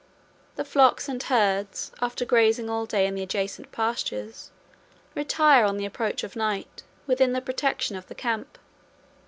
The flocks and herds, after grazing all day in the adjacent pastures, retire, on the approach of night, within the protection of the camp.